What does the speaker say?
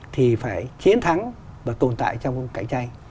thì phải chiến thắng và tồn tại trong cạnh tranh